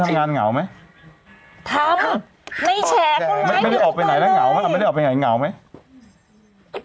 ทับไม่แชร์คนไหนไม่ได้ออกไปไหนแล้วเหงาไม่ได้ออกไปไหนเหงาไหม